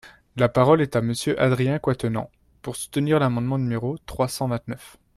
La parole est à Monsieur Adrien Quatennens, pour soutenir l’amendement numéro trois cent vingt-neuf.